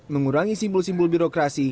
mengurangi simbol simbol birokrasi